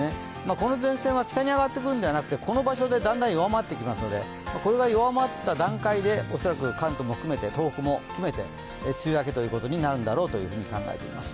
この前線は北に上がってくるんではなくて、この場所でだんだん弱まってきますのでこれが弱まった段階で恐らく関東も含めて東北も含めて梅雨明けということになるんだろうと考えています。